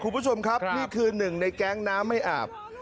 คุณผู้ชมครับนี่คือหนึ่งในแก๊งน้ำไม่อาบ